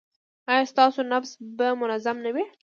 ایا ستاسو نبض به منظم نه وي؟